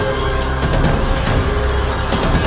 aku akan terus memburumu